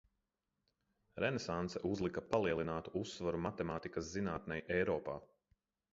Renesanse uzlika palielinātu uzsvaru matemātikas zinātnei Eiropā.